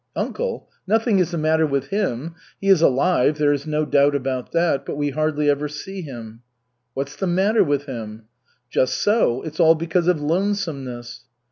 "Uncle? Nothing is the matter with him. He is alive, there is no doubt about that, but we hardly ever see him." "What's the matter with him?" "Just so it's all because of lonesomeness."